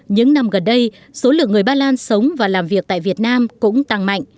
những năm gần đây số lượng người ba lan sống và làm việc tại việt nam cũng tăng mạnh